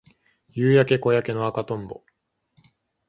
夕焼け小焼けの赤とんぼ